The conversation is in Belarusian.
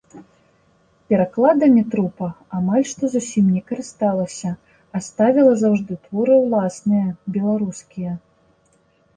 Перакладамі трупа амаль што зусім не карысталася, а ставіла заўжды творы ўласныя, беларускія.